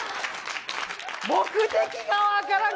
目的が分からん。